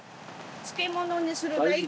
漬物にする大根。